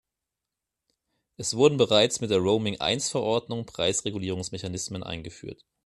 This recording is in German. Es wurden bereits mit der Roaming I-Verordnung Preisregulierungsmechanismen eingeführt.